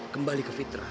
kembali ke fitrah